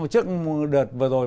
trước đợt vừa rồi